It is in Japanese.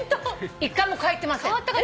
１回もかえてません。